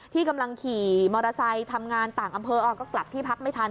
ที่กำลังขี่มอเตอร์ไซค์ทำงานต่างอำเภอก็กลับที่พักไม่ทัน